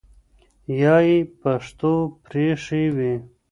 یا ئی پښتو پرېښې وي